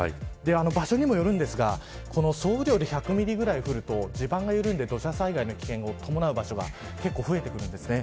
場所にもよるんですが総雨量で１００ミリくらい降ると地盤が緩んで土砂災害の危険を伴う場所が増えてくるんですね。